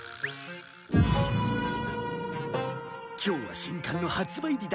今日は新刊の発売日だからな。